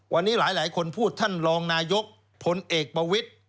วันนี้หลายคนพูดท่านรองนายกพลเอกประวิทธิ์